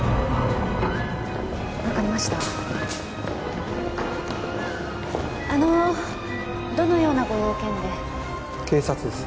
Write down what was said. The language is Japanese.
分かりましたあのどのようなご用件で警察です